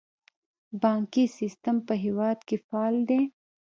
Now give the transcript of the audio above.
بانکي سیستم په هیواد کې فعال دی